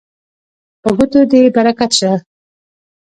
په ګوتو دې برکت شه